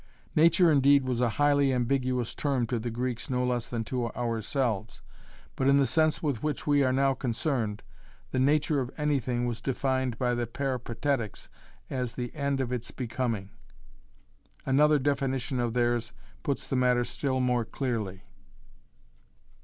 Nature indeed was a highly ambiguous term to the Greeks no less than to ourselves, but in the sense with which we are now concerned, the nature of anything was defined by the Peripatetics as 'the end of its becoming.' Another definition of theirs puts the matter still more clearly.